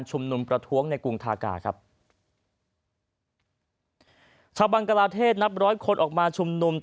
ช่วงนุมประท้วงในกรุงทากาครับชาวกมันกรเภทร้อยคนออกมาช่วงนุมตาม